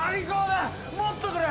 もっとくれ！